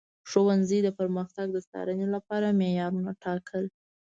ښوونکي د پرمختګ د څارنې لپاره معیارونه ټاکل.